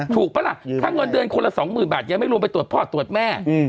ปะล่ะถ้าเงินเดือนคนละสองหมื่นบาทยังไม่รวมไปตรวจพ่อตรวจแม่